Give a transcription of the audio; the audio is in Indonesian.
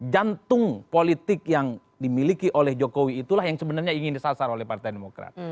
jantung politik yang dimiliki oleh jokowi itulah yang sebenarnya ingin disasar oleh partai demokrat